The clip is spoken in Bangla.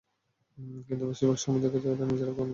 কিন্তু বেশির ভাগ সময় দেখা যায় এরা নিজেরা কখনো প্রেম করে না।